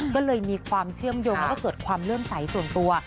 ก็เลยมีความเชื่อมโยงแล้วก็เกิดความเลื่อมใสส่วนตัว